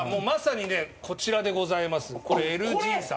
まさにねこちらでございます。